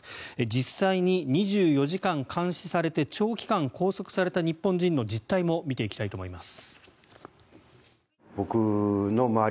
実際に２４時間監視されて長期間拘束された日本人の実態も見ていきたいと思います。